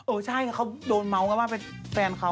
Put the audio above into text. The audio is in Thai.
ใช่เขาโดนเมาส์กันว่าเป็นแฟนเขา